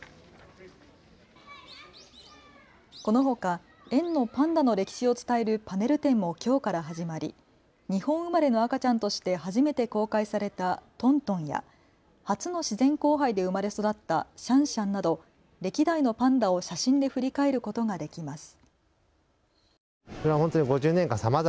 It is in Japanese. このほか園のパンダの歴史を伝えるパネル展もきょうから始まり日本生まれの赤ちゃんとして初めて公開されたトントンや初の自然交配で生まれ育ったシャンシャンなど歴代のパンダを写真で振り返ることができます。